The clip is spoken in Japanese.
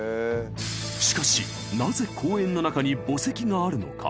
しかしなぜ公園の中に墓石があるのか？